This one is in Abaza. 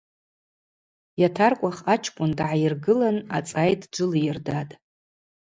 Йатаркӏвах ачкӏвын дгӏайыргылын ацӏай дджвылийырдатӏ.